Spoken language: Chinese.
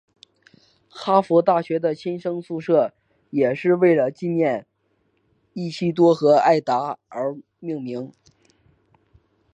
哈佛大学的新生宿舍也是为了纪念伊西多和艾达而命名。